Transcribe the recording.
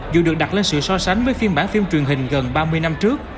dù được đặt lên sự so sánh với phiên bản phim truyền hình gần ba mươi năm trước